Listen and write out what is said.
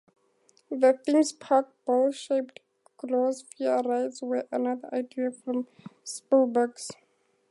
The theme park's ball-shaped gyrosphere rides were another idea from Spielberg.